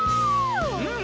うん。